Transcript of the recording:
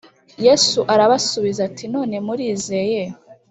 Yesu arabasubiza ati None murizeye